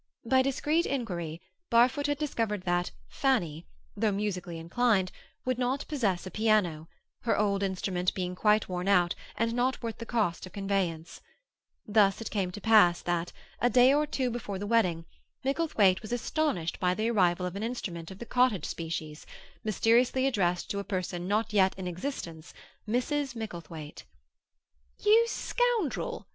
By discreet inquiry, Barfoot had discovered that "Fanny," though musically inclined, would not possess a piano, her old instrument being quite worn out and not worth the cost of conveyance; thus it came to pass that, a day or two before the wedding, Micklethwaite was astonished by the arrival of an instrument of the Cottage species, mysteriously addressed to a person not yet in existence, Mrs. Micklethwaite. "You scoundrel!"